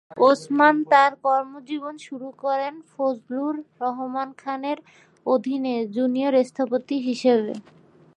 ওসমান তার কর্মজীবন শুরু করেন ফজলুর রহমান খানের অধীনে জুনিয়র স্থপতি হিসেবে।